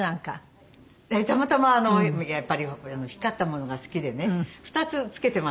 たまたまやっぱり光ったものが好きでね２つ付けてますね。